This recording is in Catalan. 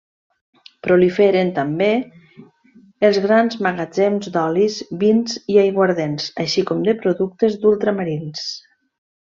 Proliferen també els grans magatzems d'olis, vins i aiguardents, així com de productes d'ultramarins.